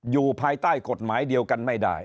อยู่ภายใต้กฎหมายเดียวกันไม่ได้